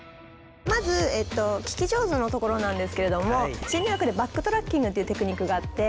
まず聞き上手のところなんですけれども心理学でバックトラッキングっていうテクニックがあって。